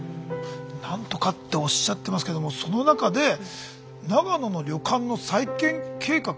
何とかっておっしゃってますけどもその中で長野の旅館の再建計画？